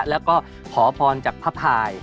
แล้วก็ขอพรจากพระพาย